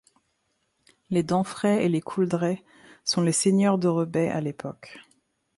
Les d'Anfray et les Couldray sont les seigneurs de Rebets à l'époque.